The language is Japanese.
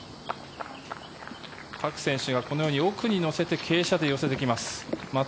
各選手がこのように奥に乗せて傾斜で寄せてきます。